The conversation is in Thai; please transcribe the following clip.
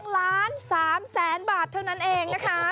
๒ล้าน๓แสนบาทเท่านั้นเองนะคะ